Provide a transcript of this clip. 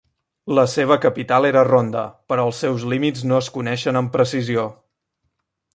La seva capital era Ronda però els seus límits no es coneixen amb precisió.